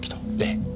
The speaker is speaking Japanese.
ええ。